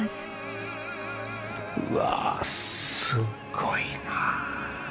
うわすっごいな。